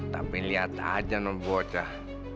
tapi liat aja nom bocah